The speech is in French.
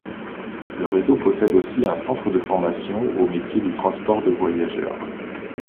Le réseau possède aussi un centre de formation aux métiers du transport de voyageurs.